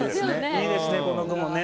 いいですね、この句もね。